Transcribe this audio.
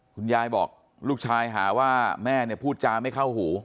คุณยายบอกลูกชายหาว่าแม่เนี่ยพูดจาไม่เข้าหู